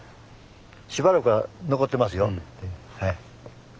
しばらくは残ってますよ。